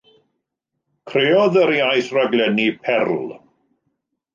Creodd yr iaith raglennu Perl.